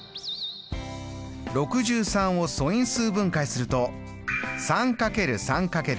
６３を素因数分解すると３×３×７。